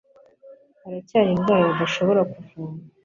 haracyari indwara badashobora kuvura